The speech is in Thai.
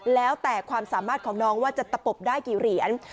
แล้วแต่ความสามารถของน้องว่าจะตะปบได้กี่เหรียญ